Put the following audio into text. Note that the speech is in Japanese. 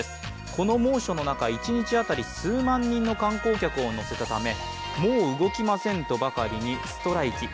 この猛暑の中、一日当たり数万人の観光客を乗せたためもう動きませんとばかりにストライキ。